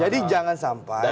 jadi jangan sampai